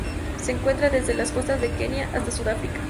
Se encuentran desde las costas de Kenia hasta Sudáfrica.